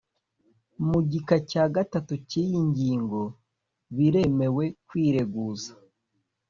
mu gika cya gatatu cy iyi ngingo biremewe kwireguza